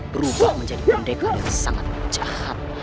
berubah menjadi bondeka yang sangat jahat